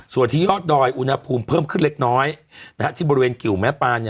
ส่วนที่ยอดดอยอุณหภูมิเพิ่มขึ้นเล็กน้อยที่บริเวณกิวแม่ปาน